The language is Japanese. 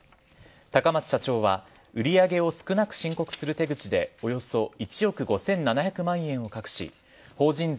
高松社長は売上を少なく申告する手口でおよそ１億５７００万円を隠し法人税